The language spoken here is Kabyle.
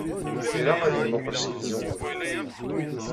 Ira ad yemmuqqel seg tzewwut.